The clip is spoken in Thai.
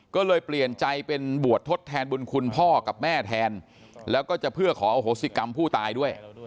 ก็เลยเปลี่ยนใจเป็นบวชทดแทนบุญคุณพ่อกับแม่แทนแล้วก็จะเพื่อขออโหสิกรรมผู้ตายด้วย